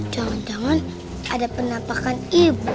jangan jangan ada penampakan ibu